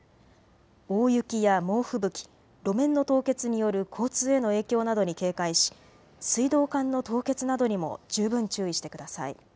大雪や猛吹雪、路面の凍結による交通への影響などに警戒し水道管の凍結などにも十分注意してください。